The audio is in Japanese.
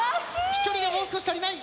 飛距離がもう少し足りない！